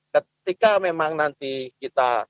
ketika memang nanti kita